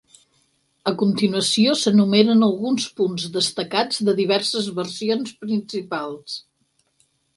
A continuació s'enumeren alguns punts destacats de diverses versions principals.